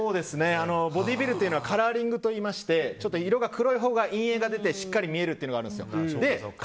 ボディービルというのはカラーリングといいまして色が黒いほうが陰影が出てしっかり見えるというのがあるんです。